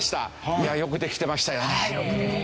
いやよくできてましたよね。